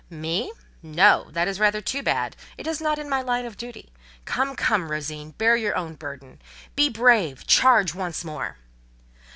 "Me? No, that is rather too bad! It is not in my line of duty. Come, come, Rosine! bear your own burden. Be brave—charge once more!"